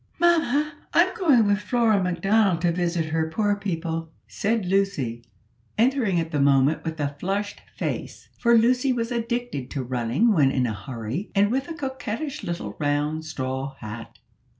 "Mamma, I'm going with Flora Macdonald to visit her poor people," said Lucy, entering at the moment with a flushed face, for Lucy was addicted to running when in a hurry, and with a coquettish little round straw hat.